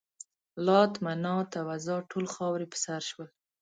لات، منات او عزا ټول خاورې په سر شول.